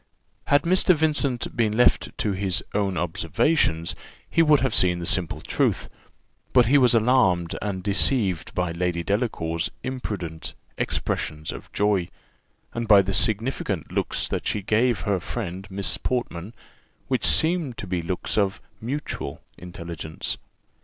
Had Mr. Vincent been left to his own observations, he would have seen the simple truth; but he was alarmed and deceived by Lady Delacour's imprudent expressions of joy, and by the significant looks that she gave her friend Miss Portman, which seemed to be looks of mutual intelligence.